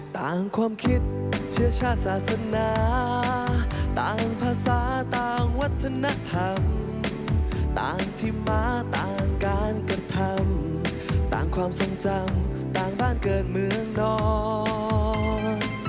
ต่างความคิดเชื้อชาติศาสนาต่างภาษาต่างวัฒนธรรมต่างที่มาต่างการกระทำต่างความทรงจำต่างบ้านเกิดเมืองนอน